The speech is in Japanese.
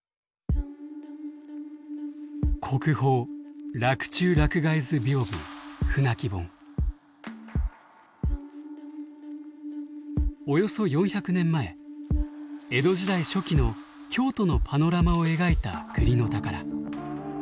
国宝およそ４００年前江戸時代初期の京都のパノラマを描いた国の宝。